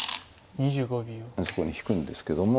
うんそこに引くんですけども。